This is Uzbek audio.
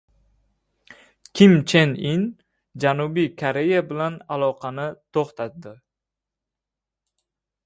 Kim Chen In Janubiy Koreya bilan aloqani to‘xtatdi